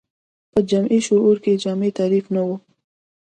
په جمعي شعور کې جامع تعریف نه و